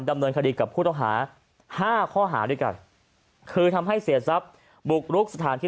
ดำเนินคดีกับผู้ต้องหา๕ข้อหาด้วยกันคือทำให้เสียทรัพย์บุกรุกสถานที่